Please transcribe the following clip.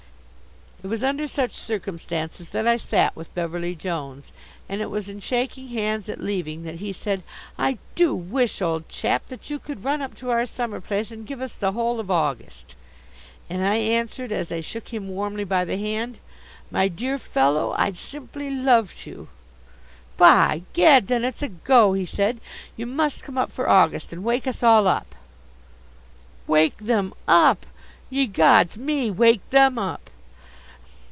It was under such circumstances that I sat with Beverly Jones. And it was in shaking hands at leaving that he said: "I do wish, old chap, that you could run up to our summer place and give us the whole of August!" and I answered, as I shook him warmly by the hand: "My dear fellow, I'd simply love to!" "By gad, then it's a go!" he said. "You must come up for August, and wake us all up!" Wake them up! Ye gods! Me wake them up!